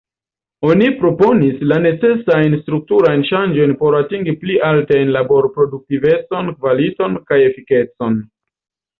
Oni proponis la necesajn strukturajn ŝanĝojn por atingi pli altajn laborproduktivecon, kvaliton kaj efikecon.